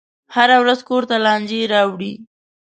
هره ورځ کور ته لانجې راوړي.